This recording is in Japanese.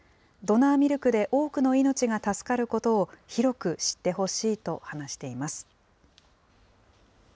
ドナーミルクで多くの命が助かることを広く知ってほしいと話しています。